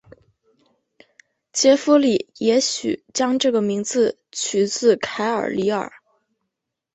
杰佛里也许将这个名字取自凯尔李尔。